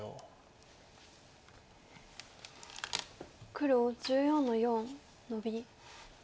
黒１４の四ノビ。